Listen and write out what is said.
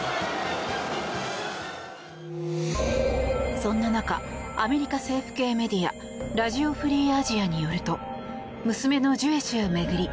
そんな中アメリカ政府系メディアラジオ・フリー・アジアによると娘のジュエ氏を巡り